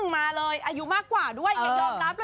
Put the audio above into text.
มาเลยอายุมากกว่าด้วยอย่ายอมรับเลย